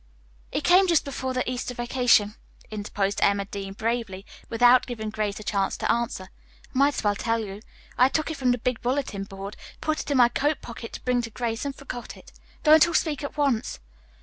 "It came just before the Easter vacation," interposed Emma Dean bravely, without giving Grace a chance to answer. "I might as well tell you. I took it from the big bulletin board, put it in my coat pocket to bring to Grace and forgot it. Don't all speak at once."